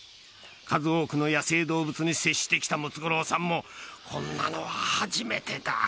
数多くの野生動物に接してきたムツゴロウさんもこんなの初めてだ。